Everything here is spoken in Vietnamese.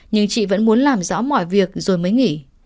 nhưng chị vẫn muốn làm rõ mọi việc rồi mới nghỉ